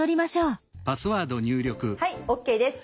はいＯＫです。